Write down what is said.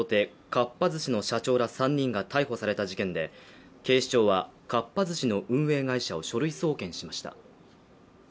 かっぱ寿司の社長ら３人が逮捕された事件で、警視庁はかっぱ寿司の運営会社を書類送検しました。